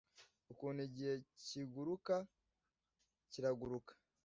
Ukuntu igihe kiguruka ... kiraguruka ...